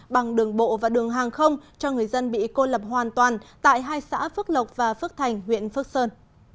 bằng đường bộ và đường hàng không cho người dân bị cô lập hoàn toàn tại hai xã phước lộc và phước thành huyện phước sơn